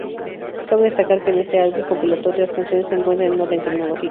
Cabe destacar que en este álbum compilatorio las canciones se encuentran en orden cronológico.